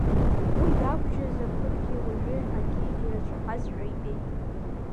Уи иақәжьыз аԥырӷы уажәы еиҳагьы ирацәахазшәа ибеит.